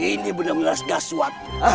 ini benar benar gaswat